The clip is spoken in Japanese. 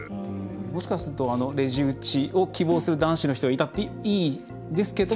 もしかするとレジ打ちを希望する男子の人がいたっていいですけども。